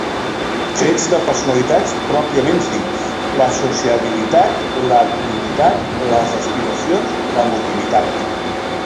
Trets de personalitat pròpiament dits: la sociabilitat, l'activitat, les aspiracions, l'emotivitat.